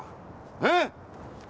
えっ！